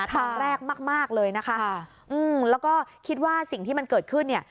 ตอนแรกมากเลยนะคะอืมแล้วก็คิดว่าสิ่งที่มันเกิดขึ้นเนี่ย